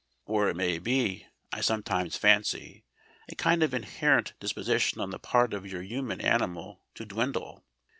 Or it may be, I sometimes fancy, a kind of inherent disposition on the part of your human animal to dwindle.